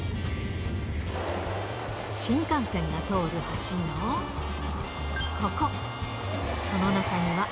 新幹線が通る橋のここ、その中には。